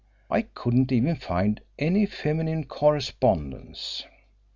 I couldn't even find any feminine correspondence.